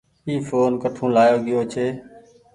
اي ڦون ڪٺو لآيو گيو ڇي۔